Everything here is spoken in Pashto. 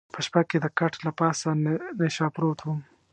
په شپه کې د کټ له پاسه نشه پروت وم.